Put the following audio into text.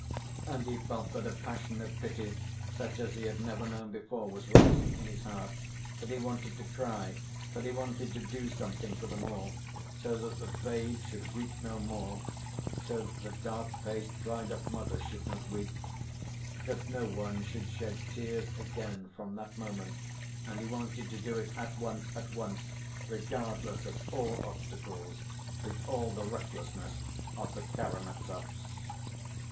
And he felt that a passion of pity, such as he had never known before, was rising in his heart, that he wanted to cry, that he wanted to do something for them all, so that the babe should weep no more, so that the dark‐ faced, dried‐up mother should not weep, that no one should shed tears again from that moment, and he wanted to do it at once, at once, regardless of all obstacles, with all the recklessness of the Karamazovs.